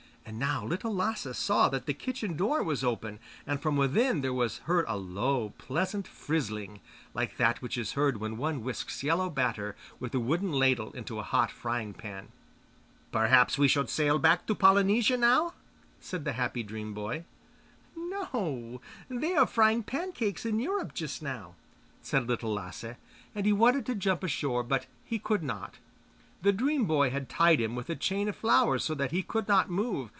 And now Little Lasse saw that the kitchen door was open, and from within there was heard a low, pleasant frizzling, like that which is heard when one whisks yellow batter with a wooden ladle into a hot frying pan. 'Perhaps we should sail back to Polynesia now?' said the happy dream boy. 'No; they are frying pancakes in Europe just now,' said Little Lasse; and he wanted to jump ashore, but he could not. The dream boy had tied him with a chain of flowers, so that he could not move.